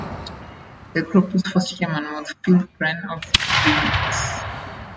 The group's first chairman was Phil Crane of Illinois.